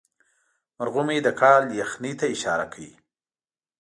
مرغومی د کال یخنۍ ته اشاره کوي.